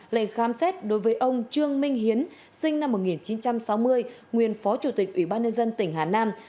lệnh khám xét đối với ông trương minh hiến sinh năm một nghìn chín trăm sáu mươi nguyên phó chủ tịch ủy ban nhân dân tỉnh hà nam